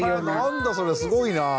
何だそれすごいなぁ。